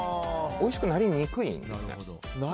おいしくなりにくいんですね。